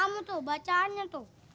kamu tuh bacaannya tuh